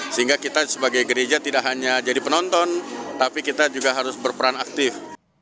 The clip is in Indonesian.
sehingga kita sebagai gereja tidak hanya jadi penonton tapi kita juga harus berperan aktif